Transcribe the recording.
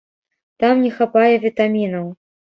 Там не хапае вітамінаў.